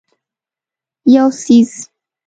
یو څیز